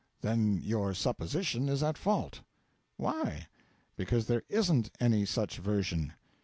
'Then you supposition is at fault.' 'Why?' 'Because there isn't any such version.'